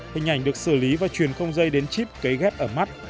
hình ảnh được xử lý và truyền không dây đến chip cấy ghép ở mắt